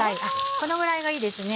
このぐらいがいいです。